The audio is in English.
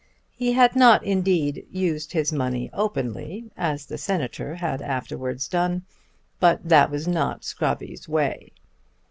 He had not, indeed, used his money openly, as the Senator had afterwards done; but that was not Scrobby's way.